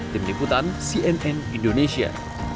tim liputan cnn indonesia